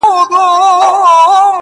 • لکه غشې هسي تښتي له مکتبه -